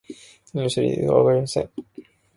何をしたらいいのかわかりません